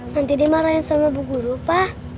nanti dimarahin sama bu guru pak